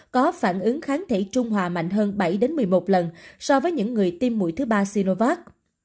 có phản ứng kháng thể trung hòa mạnh hơn bảy một mươi một lần so với những người tiêm mũi thứ ba siriovat